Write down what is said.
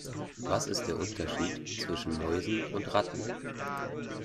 Was ist der Unterschied zwischen Mäusen und Ratten?